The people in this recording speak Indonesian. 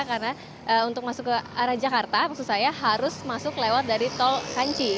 karena untuk masuk ke arah jakarta maksud saya harus masuk lewat dari tol kanjuran